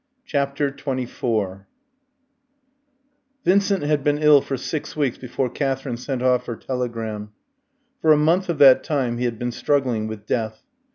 CHAPTER XXIV Vincent had been ill for six weeks before Katherine sent off her telegram. For a month of that time he had been struggling with death.